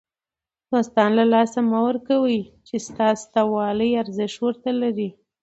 دوستان له لاسه مه ورکوئ! چي ستا سته والى ارزښت ور ته لري.